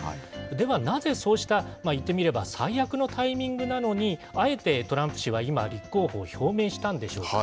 ではなぜ、そうした、いってみれば、最悪のタイミングなのに、あえてトランプ氏は今、立候補を表明したんでしょうか。